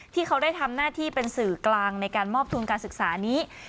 ที่เขาได้ทำหน้าที่เป็นสื่อกลางในการมอบทุนการศึกษานี้